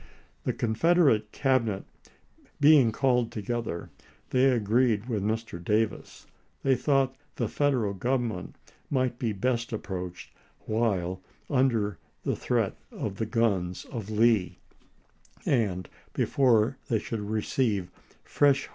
The Confederate Cabinet be ing called together, they agreed with Mr. Davis; they thought the Federal Government might be best approached while under the threat of the guns of Lee, and before they should receive fresh hope 372 ABRAHAM LINCOLN Ch.